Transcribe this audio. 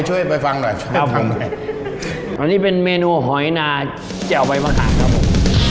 วันนี้เป็นเมนูหอยนาเจ้าใบมะขามครับผม